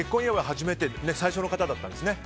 初めて、最初の方だったんですね。